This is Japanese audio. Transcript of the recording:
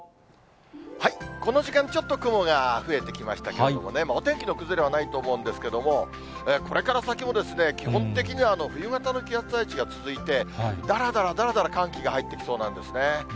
この時間、ちょっと雲が増えてきましたけれどもね、お天気の崩れはないと思うんですけれども、これから先も基本的には冬型の気圧配置が続いて、だらだらだらだら寒気が入ってきそうなんですね。